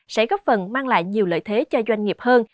sẽ góp phần mang lại nhiều lợi thế cho doanh nghiệp hơn